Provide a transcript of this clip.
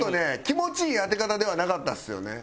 気持ちいい当て方ではなかったですよね。